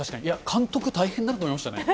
監督大変だなと思いましたね。